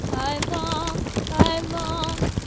I long, I long !